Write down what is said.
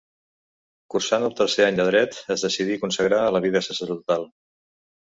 Cursant el tercer any de dret es decidí consagrar a la vida sacerdotal.